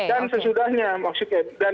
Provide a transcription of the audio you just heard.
dan sesudahnya maksudnya